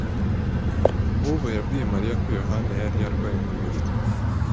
Bobo yabwiye Mariya ko Yohana yari arwaye mu buriri.